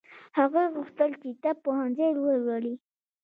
هغې غوښتل چې طب پوهنځی ولولي